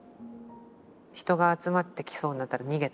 人が集まってきそうになったら逃げたりしてました。